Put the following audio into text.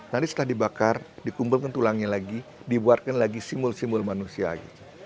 nanti setelah dibakar dikumpulkan tulangnya lagi dibuatkan lagi simbol simbol manusia gitu